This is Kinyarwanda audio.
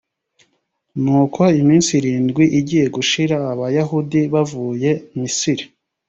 nuko iminsi irindwi igiye gushira abayahudi bavuye misiri